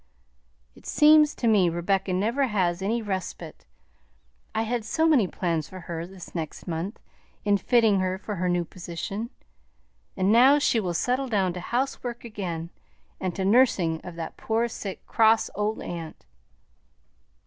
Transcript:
"It seems to me Rebecca never has any respite. I had so many plans for her this next month in fitting her for her position, and now she will settle down to housework again, and to the nursing of that poor, sick, cross old aunt."